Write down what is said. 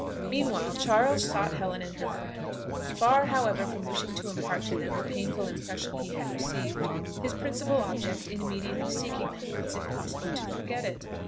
Meanwhile, Charles sought Helen and her friend. Far, however, from wishing to impart to them the painful impression he had received, his principal object in immediately seeking them was, if possible, to forget it.